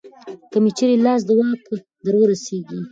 که مې چېرې لاس د واک درورسېږي